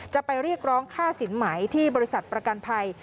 จะไปเรียกร้องค่าสินไหมที่บริษัทประกันภัย